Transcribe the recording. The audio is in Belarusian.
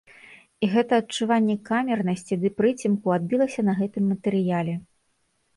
І гэта адчуванне камернасці ды прыцемку адбілася на гэтым матэрыяле.